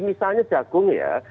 misalnya jagung ya